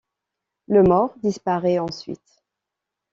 Le mors disparaît ensuite.